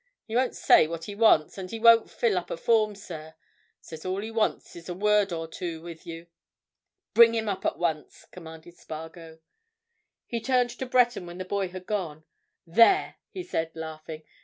He won't say what he wants, and he won't fill up a form, sir. Says all he wants is a word or two with you." "Bring him up at once!" commanded Spargo. He turned to Breton when the boy had gone. "There!" he said, laughing.